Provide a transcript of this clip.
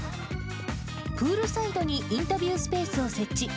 プールサイドにインタビュースペースを設置。